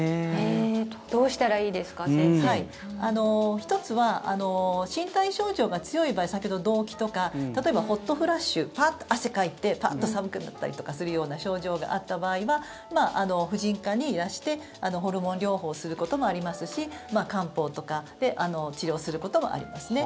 １つは身体症状が強い場合先ほど、動悸とか例えばホットフラッシュパーッと汗をかいてパーッと寒くなったりとかするような症状があった場合は婦人科にいらしてホルモン療法することもありますし漢方とかで治療することもありますね。